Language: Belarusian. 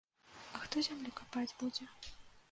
А хто зямлю капаць будзе?